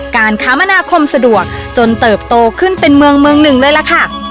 คมนาคมสะดวกจนเติบโตขึ้นเป็นเมืองเมืองหนึ่งเลยล่ะค่ะ